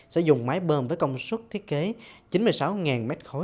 sử dụng máy bơm với công suất thiết kế